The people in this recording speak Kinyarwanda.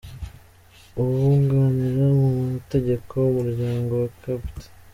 Uwunganira mu mategeko umuryango wa Capt.